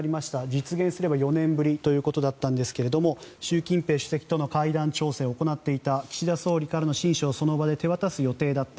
実現すれば４年ぶりということだったんですが習近平主席との会談調整を行っていた岸田総理からの親書をその場で手渡す予定だった。